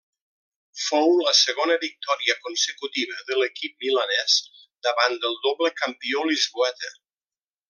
Fou la segona victòria consecutiva de l'equip milanès davant del doble campió lisboeta.